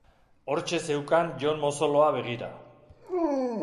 Hortxe zeukan Jon mozoloa begira.